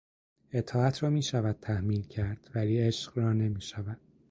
اطاعت را میشود تحمیل کرد ولی عشق را نمیشود.